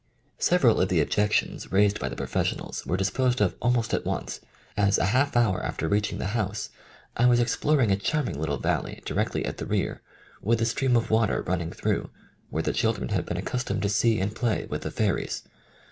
Several of the objections raised by the professionals were disposed of almost at once, as, a half hour after reaching the house, I was exploring a charming little val ley, directly at the rear, with a stream of water running through, where the children had been accustomed to see and play with the fairies.